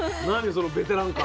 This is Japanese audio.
そのベテラン感。